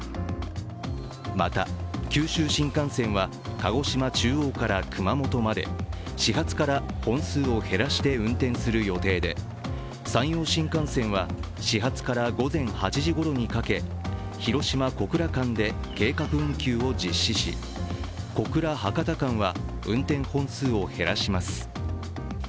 また九州新幹線は鹿児島中央から熊本まで始発から本数を減らして運転する予定で山陽新幹線は始発から午前８時頃にかけ広島−小倉間で計画運休を実施し、小倉−博多間は運転本数を減らします。